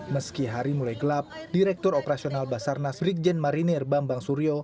meski hari mulai gelap direktur operasional basarnas brigjen marinir bambang suryo